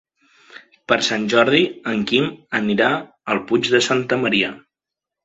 Per Sant Jordi en Quim anirà al Puig de Santa Maria.